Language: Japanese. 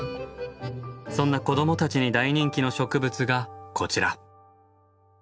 そんな子どもたちに大人気の植物がこちら。